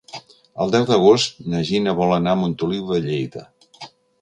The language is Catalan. El deu d'agost na Gina vol anar a Montoliu de Lleida.